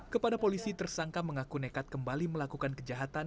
kepada polisi tersangka mengaku nekat kembali melakukan kejahatan